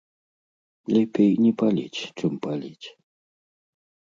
Лепей не паліць, чым паліць.